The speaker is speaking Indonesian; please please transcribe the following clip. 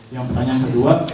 yang pertanyaan kedua